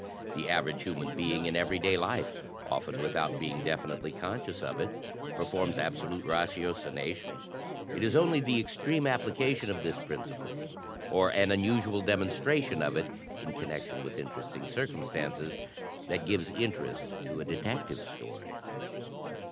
The average human being in every day life, often without being definitely consciou&^ it, performs absolute ratiocination . It is only the extreme application oTTEis principle, or an unusual demonstration of it in connection with interesting circumstances, that gives interest to a Detective Story.